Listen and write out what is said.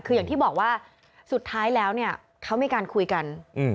คืออย่างที่บอกว่าสุดท้ายแล้วเนี่ยเขามีการคุยกัน